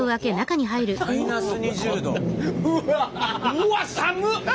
うわっ寒っ！